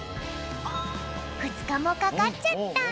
ふつかもかかっちゃった。